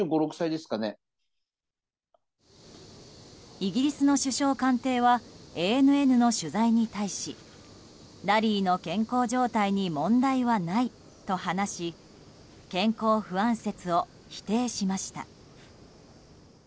イギリスの首相官邸はＡＮＮの取材に対しラリーの健康状態に問題はないと話し健康不安説を否定しました。